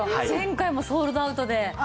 前回もソールドアウトで。